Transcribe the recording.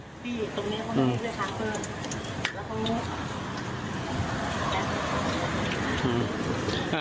ลงออกจริงนะ